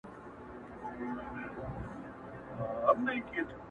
ته مي پـوښــتـــنه د بــابــا مــــــه كــــــوه.